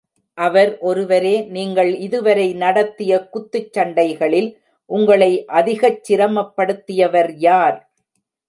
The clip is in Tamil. அவர் ஒருவரே நீங்கள் இதுவரை நடத்திய குத்துச் சண்டைகளில், உங்களை அதிகச் சிரமப்படுத்தியவர் யார்?